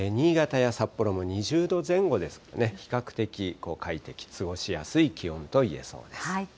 新潟や札幌も２０度前後ですので、比較的快適、過ごしやすい気温といえそうです。